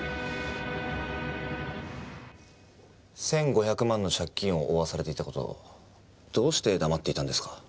１５００万の借金を負わされていた事をどうして黙っていたんですか？